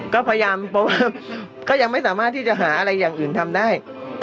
ก็พยายามเพราะว่าก็ยังไม่สามารถที่จะหาอะไรอย่างอื่นทำได้